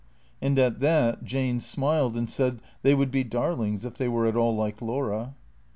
And at that Jane smiled and said they would be darlings if they were at all like Laura.